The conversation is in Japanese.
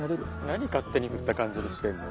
何勝手にふった感じにしてんの？